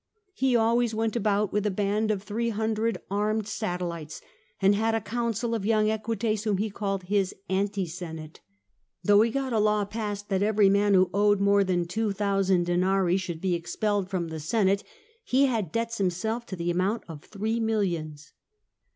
He always went about with a band of 300 armed satellites, and had a council of young Equites whom he called his anti senate. Though he got a law passed that every man who owed more than 2000 denarii should be expelled from the Senate, he had debts himself to the amount of three millions."